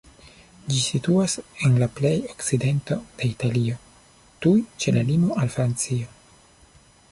Ĝi situas en la pleja okcidento de Italio, tuj ĉe la limo al Francio.